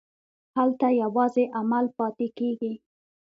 هلته یوازې عمل پاتې کېږي.